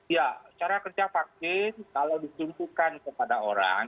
ya cara kerja vaksin kalau ditumpukan kepada orang